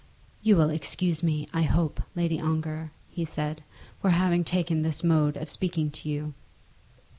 "You will excuse me, I hope, Lady Ongar," he said, "for having taken this mode of speaking to you."